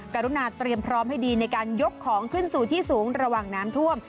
กรุณาเตรียมพร้อมให้ดีในการยกของขึ้นสู่ที่สูงระหว่างน้ำท่วม